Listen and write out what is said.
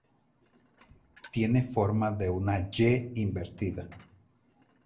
Tiene forma de una "Y" invertida.